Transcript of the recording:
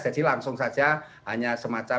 jadi langsung saja hanya semacam